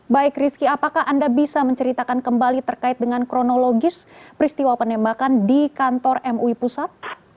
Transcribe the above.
baik rizky apakah anda bisa menceritakan kembali terkait dengan kronologis peristiwa penembakan di kantor mui pusat